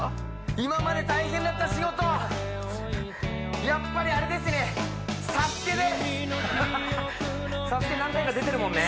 今まで大変だった仕事やっぱりあれですね「ＳＡＳＵＫＥ」何回か出てるもんね